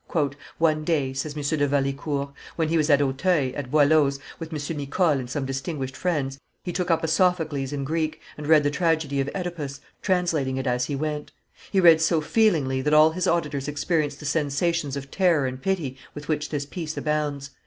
"One day," says M. de Valicour, "when he was at Auteuil, at Boileau's, with M. Nicole and some distinguished friends, he took up a Sophocles in Greek, and read the tragedy of OEdipus, translating it as he went. He read so feelingly that all his auditors experienced the sensations of terror and pity with which this piece abounds.